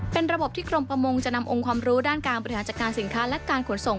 เป็นระบบที่กรมประมงจะนำองค์ความรู้ด้านการบริหารจัดการสินค้าและการขนส่ง